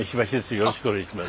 よろしくお願いします。